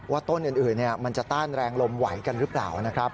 ต้นอื่นมันจะต้านแรงลมไหวกันหรือเปล่านะครับ